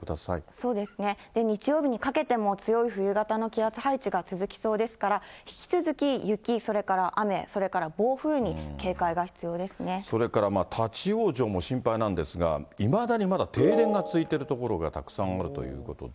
そうですね、日曜日にかけても、強い冬型の気圧配置が続きそうですから、引き続き雪、それから雨、それから立往生も心配なんですが、いまだにまだ停電が続いている所がたくさんあるということで。